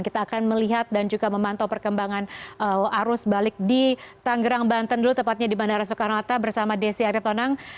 kita akan melihat dan juga memantau perkembangan arus balik di tanggerang banten dulu tepatnya di bandara soekarno hatta bersama desi aritonang